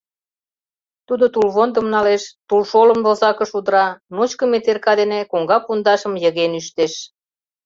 Тудо тулвондым налеш, тулшолым возакыш удыра, ночко метерка дене коҥга пундашым йыген ӱштеш.